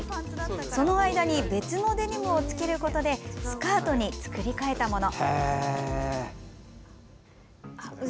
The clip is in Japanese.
その間に別のデニムをつけることでスカートに作り変えたもの。